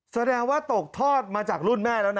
แสดงว่าตกทอดมาจากรุ่นแม่แล้วนะ